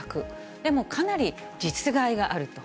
でもかなり実害があると。